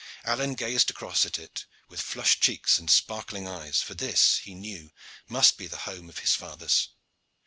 Alleyne gazed across at it with flushed cheeks and sparkling eyes for this, he knew, must be the home of his fathers.